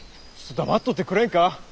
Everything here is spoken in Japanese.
黙っとってくれんか！